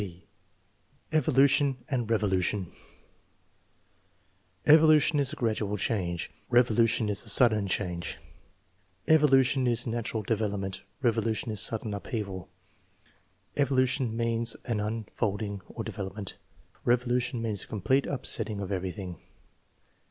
(b) Evolution and revolution. " Evolution is a gradual change; revolution is a sudden change." " Evolution is natural develop ment; revolution is sudden upheaval." "Evolution means an un folding or development; revolution means a complete upsetting of everything."